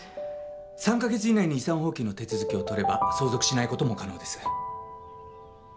３か月以内に遺産放棄の手続きを取れば相続しないことも可能です。